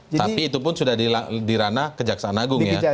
tapi itu pun sudah dirana kejaksaan agung ya